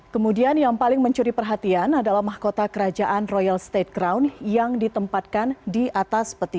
kemudian yang paling mencuri perhatian adalah mahkota kerajaan royal state ground yang ditempatkan di atas peti